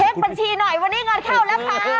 บัญชีหน่อยวันนี้เงินเข้าแล้วค่ะ